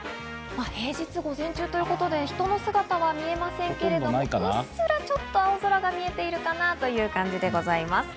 平日午前中ということで、人の姿は見えませんけど、うっすらちょっと青空が見えているかなという感じでございます。